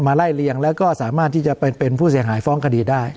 ไล่เลียงแล้วก็สามารถที่จะเป็นผู้เสียหายฟ้องคดีได้